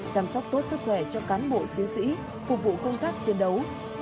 chăm sóc tốt sức khỏe cho cán bộ chiến sĩ phục vụ công tác chiến đấu